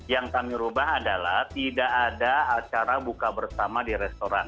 yang kami ubah adalah tidak ada acara buka bersama di restoran